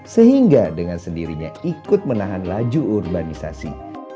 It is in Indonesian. sehingga dengan sendirinya ikut menahan laju urbanisasi